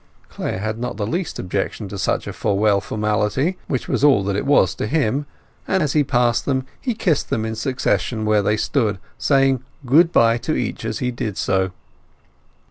Clare had not the least objection to such a farewell formality—which was all that it was to him—and as he passed them he kissed them in succession where they stood, saying "Goodbye" to each as he did so.